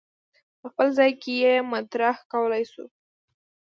په خپل ځای کې یې مطرح کولای شو.